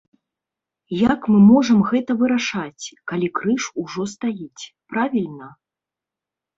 Як мы можам гэта вырашаць, калі крыж ужо стаіць, правільна?